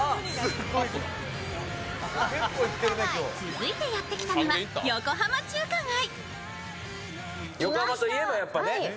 続いてやってきたのは横浜中華街。